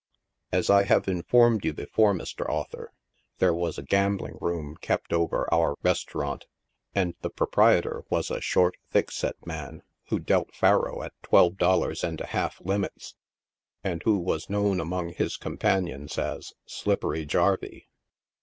As I have informed you before, Mr. Author, there was a gambling room kept over our restaurant, and the proprietor was a short, thick set man, who dealt " faro" at twelve dollars and a half limits, and who was known among his companions as "Slippery Jarvey."